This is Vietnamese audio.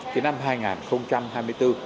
cái năm hai nghìn hai mươi bốn